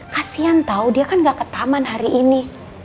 kasian tau dia kan enggak ke taman hari ini